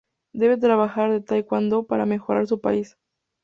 Debe trabajar el Taekwondo para mejorar su país.